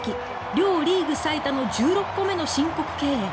両リーグ最多の１６個目の申告敬遠。